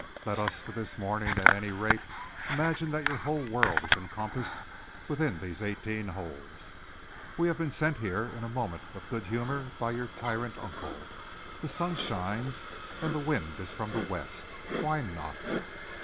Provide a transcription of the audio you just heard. "Let us for this morning, at any rate, imagine that your whole world is encompassed within these eighteen holes. We have been sent here in a moment of good humour by your tyrant uncle. The sun shines, and the wind is from the west. Why not?"